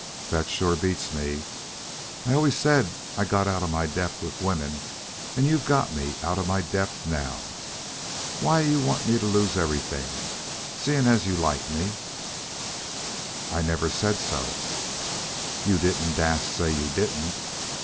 "That sure beats me. I always said I got out of my depth with women, and you've got me out of my depth now. Why you want me to lose everything, seeing as you like me " "I never said so." "You didn't dast say you didn't.